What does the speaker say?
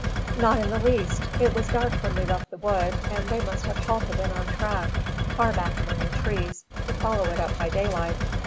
"Not in the least. It was dark when we left the wood, and they must have halted on our track, far back among the trees, to follow it up by daylight.